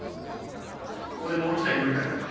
ここでもう１台に乗り換えたか。